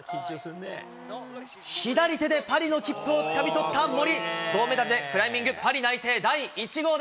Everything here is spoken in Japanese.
左手でパリの切符をつかみ取った森。